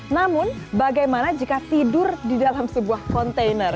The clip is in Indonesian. namun bagaimana jika tidur di dalam sebuah kontainer